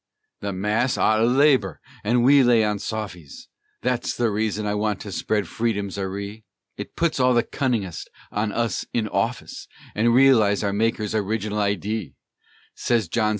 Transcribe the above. "The mass ough' to labor an' we lay on soffies, Thet's the reason I want to spread Freedom's aree; It puts all the cunninest on us in office, An' reelises our Maker's orig'nal idee," Sez John C.